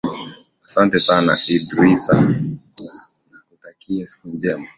asante sana idrisa na nakutakia siku njema